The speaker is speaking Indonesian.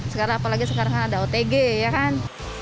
sekarang apalagi sekarang kan ada otg ya kan